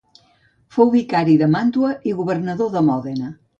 Fou vicari de Màntua i governador de Mòdena.